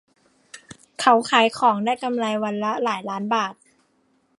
เขาขายของได้กำไรวันละหลายล้านบาท